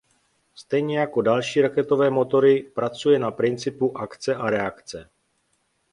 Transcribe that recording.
Stejně jako další raketové motory pracuje na principu akce a reakce.